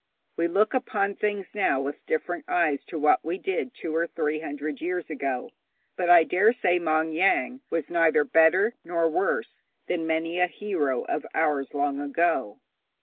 We look upon things now with different eyes to what we did two or three hundred years ago, but I dare say Maung Yaing was neither better nor worse than many a hero of ours long ago.